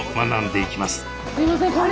すいません